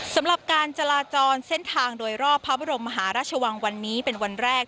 สำหรับการจราจรเส้นทางโดยรอบพระบรมมหาราชวังวันนี้เป็นวันแรก